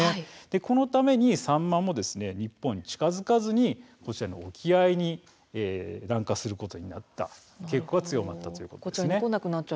このためサンマも日本に近づかず沖合に南下する傾向が強まったということです。